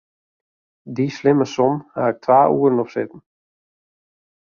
Dy slimme som haw ik twa oeren op sitten.